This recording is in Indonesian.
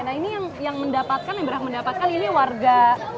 nah ini yang mendapatkan yang berhak mendapatkan ini warga